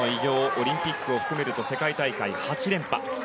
オリンピックを含めると世界大会８連覇。